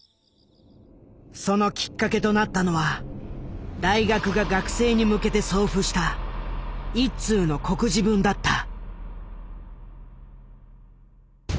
そのきっかけとなったのは大学が学生に向けて送付した一通の告示文だった。